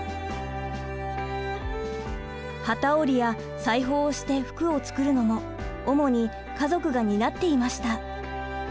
機織りや裁縫をして服を作るのも主に家族が担っていました。